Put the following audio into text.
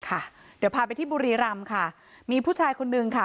เดี๋ยวพาไปที่บุรีรำค่ะมีผู้ชายคนนึงค่ะ